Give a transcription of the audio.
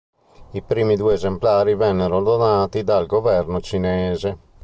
I primi due esemplari vennero donati dal governo cinese.